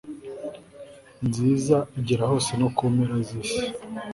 nziza igera hose no ku mpera z'isi